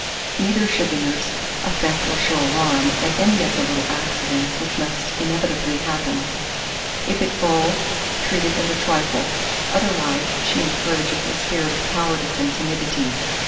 Neither should the nurse affect or show alarm at any of the little accidents which must inevitably happen: if it falls, treat it as a trifle; otherwise she encourages a spirit of cowardice and timidity.